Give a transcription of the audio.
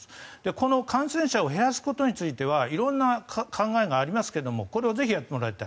この感染者を減らすことについては色んな考えがありますけどこれはぜひやってもらいたい。